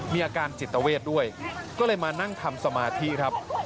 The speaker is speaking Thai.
มีอาการจิตเวทด้วยก็เลยมานั่งทำสมาธิครับ